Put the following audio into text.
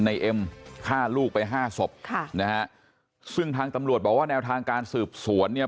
ในเอ็มฆ่าลูกไป๕ศพซึ่งทางตำรวจบอกว่าแนวทางการสืบสวน